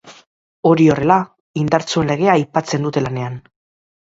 Hori horrela, indartsuen legea aipatzen dute lanean.